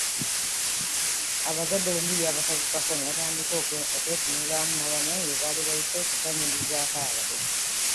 Abazadde bombi baabatabukako ne batandika okwetunuulira wamu n’abanywanyi be baali bayise okubaaniririzaako abagenyi.